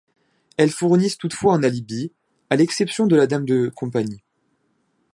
Elles fournissent toutefois un alibi, à l'exception de la dame de compagnie.